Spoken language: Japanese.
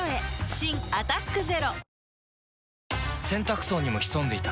新「アタックＺＥＲＯ」洗濯槽にも潜んでいた。